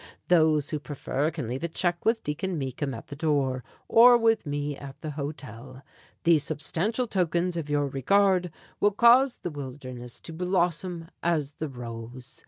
Those who prefer can leave a check with Deacon Meekham at the door, or with me at the hotel. These substantial tokens of your regard will cause the wilderness to blossom as the rose.